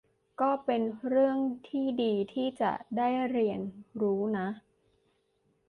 ก็เป็นเรื่องที่ดีที่จะได้เรียนรู้นะ